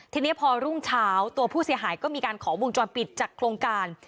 ทีนี้พอรุ่งเช้าตัวผู้เสียหายก็มีการขอวงจรปิดจากโครงการ